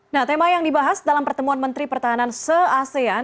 nah tema yang dibahas dalam pertemuan menteri pertahanan se asean